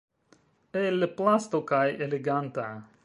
El plasto kaj „eleganta“.